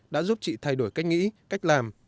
đã giúp chị thay đổi cách nghĩ cách làm